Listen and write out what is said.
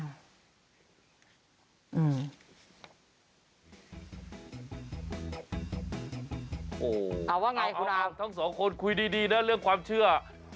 ว่าอย่างไรคุณอาวุธอ๋อทั้งสองคนคุยดีนะเรื่องความเชื่อ